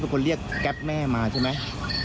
คนเรียกแก๊ปแม่มาใช่ไหม